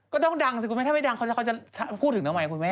ก็ต้องดังสิคุณแม่ถ้าไม่ดังเขาจะพูดถึงทำไมคุณแม่